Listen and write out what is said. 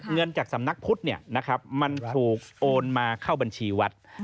เงินจากสำนักพุทธมันถูกโอนมาเข้าบัญชีวัด